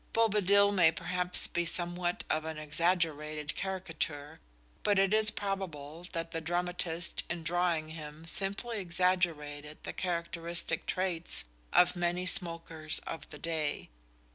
Bobadil may perhaps be somewhat of an exaggerated caricature, but it is probable that the dramatist in drawing him simply exaggerated the characteristic traits of many smokers of the day.